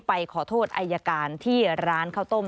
ไปขอโทษอายการที่ร้านข้าวต้ม